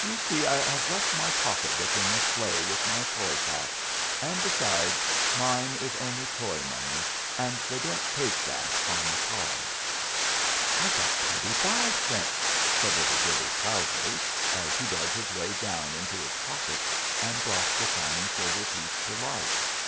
"You see, I've left my pocketbook in the sleigh with my toy pack; and, besides, mine is only toy money, and they won't take that on the cars." "I got twenty fi' cents," said Little Billee proudly, as he dug his way down into his pocket and brought the shining silver piece to light.